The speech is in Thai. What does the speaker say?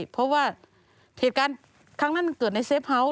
เพราะว่าเหตุการณ์ครั้งนั้นเกิดในเฟฟเฮาส์